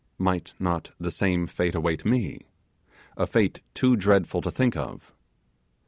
Might not the same fate await me? a fate too dreadful to think of.